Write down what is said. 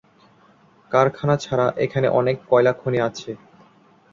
কারখানা ছাড়া এখানে অনেক কয়লাখনি আছে।